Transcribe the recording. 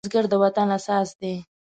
بزګر د وطن اساس دی